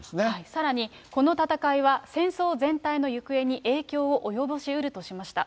さらに、この戦いは戦争全体の行方に影響を及ぼしうるとしました。